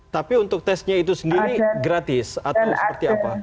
tapi untuk tesnya itu sendiri gratis atau seperti apa